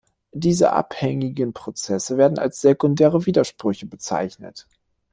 Diese abhängigen Prozesse werden als sekundäre Widersprüche bezeichnet.